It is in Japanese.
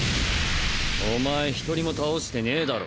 おまえ１人も倒してねぇだろ。